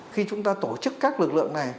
khi chúng ta tổ chức các lực lượng này